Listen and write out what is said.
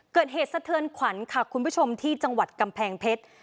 เกิดเหตุสะเทือนขวัญค่ะคุณผู้ชมที่จังหวัดกำแพงเพชร